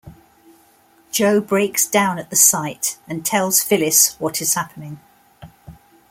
Joe breaks down at the sight and tells Phyllis what is happening.